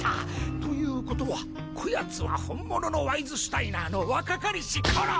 ということはこやつは本物のワイズ・シュタイナーの若かりし頃！